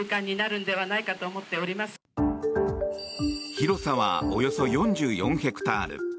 広さはおよそ４４ヘクタール。